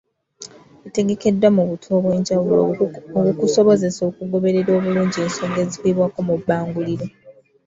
Bitegekeddwa mu butu obw'enjawulo obukusobozesa okugoberera obulungi ensonga ezifiibwako mu bbanguliro.